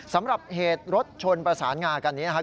สำหรับเหตุรถชนประสานงากันนี้นะครับ